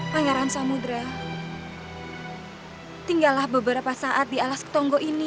pangeran samudera tinggallah beberapa saat di alas ketongo ini